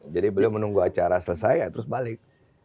jadi beliau menunggu acara selesai ya terus balik